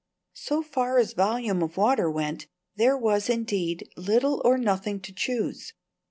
So far as volume of water went, there was, indeed, little or nothing to choose.